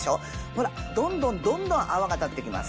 ほらどんどんどんどん泡が立ってきます